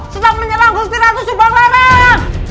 sedang menyerang gusti ratu subanglarang